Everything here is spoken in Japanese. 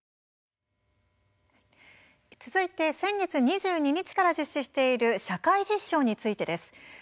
続いて先月２２日から実施している「社会実証」についてです。